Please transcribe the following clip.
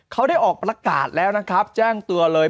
เขาได้ออกประกาศแล้วนะครับแจ้งตัวเลย